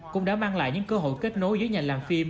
cũng đã mang lại những cơ hội kết nối giữa nhà làm phim